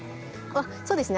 そうですね。